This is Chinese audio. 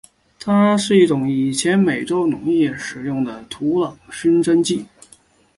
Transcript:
它是一种于以前美洲农业上使用的土壤熏蒸剂。